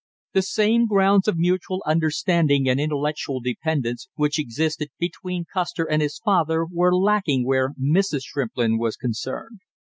The same grounds of mutual understanding and intellectual dependence which existed between Custer and his father were lacking where Mrs. Shrimplin was concerned.